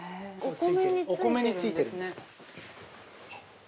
お米についてるんですね。